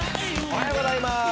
おはようございます。